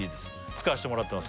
使わしてもらってます